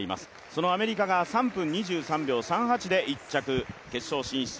そのアメリカが３分２３秒３８で１着で決勝進出。